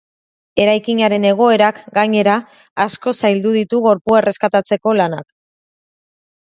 Eraikinaren egoerak, gainera, asko zaildu ditu gorpua erreskatatzeko lanak.